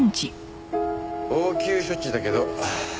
応急処置だけど。